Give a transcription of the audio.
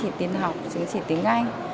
như chứng chỉ tiếng học chứng chỉ tiếng anh